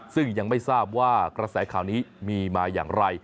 ซึ่งยังไม่ทราบว่ากระแสข่าวนี้มีมาอย่างไร